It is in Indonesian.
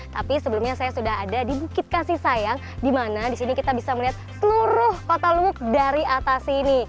tapi sebelumnya saya sudah ada di bukit kasih sayang di mana di sini kita bisa melihat seluruh kota lubuk dari atas sini